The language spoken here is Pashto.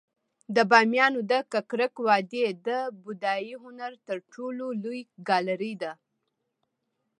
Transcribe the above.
د بامیانو د ککرک وادي د بودايي هنر تر ټولو لوی ګالري ده